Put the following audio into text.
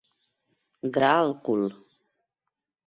Gra al cul.